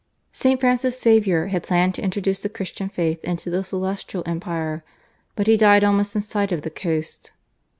St. Francis Xavier had planned to introduce the Christian faith into the Celestial Empire, but he died almost in sight of the coast.